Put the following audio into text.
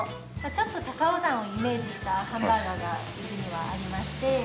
ちょっと高尾山をイメージしたハンバーガーがうちにはありまして。